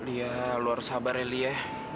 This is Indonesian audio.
lihat lu harus sabar ya lihat